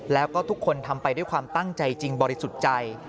แล้วก็ทุกคนทำไปด้วยความตั้งใจจริงบริสุทธิ์ใจ